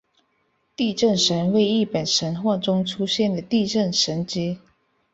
地震神为日本神话中出现的地震神只。